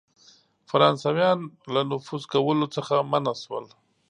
فرانسیویان له نفوذ کولو څخه منع سول.